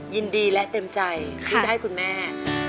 ยินดีและเต็มใจที่จะให้คุณแม่